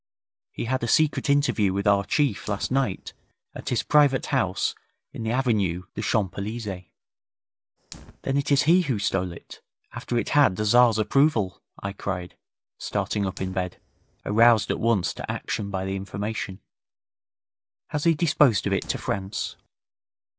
He had a secret interview with our Chief last night at his private house in the Avenue des Champs Elysées.' 'Then it is he who stole it, after it had the Tzar's approval!' I cried, starting up in bed, aroused at once to action by the information. 'Has he disposed of it to France?'